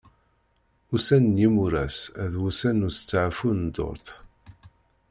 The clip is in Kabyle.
Ussan n yimuras d wussan n ustaɛfu n ddurt.